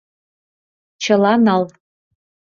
— Чыла нал.